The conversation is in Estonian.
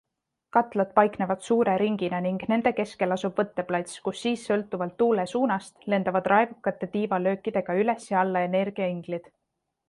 Katlad paiknevad suure ringina ning nende keskel asub võtteplats, kus siis sõltuvalt tuule suunast lendavad raevukate tiivalöökidega üles ja alla energiainglid.